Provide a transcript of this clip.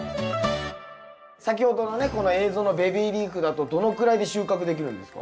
先ほどのねこの映像のベビーリーフだとどのくらいで収穫できるんですか？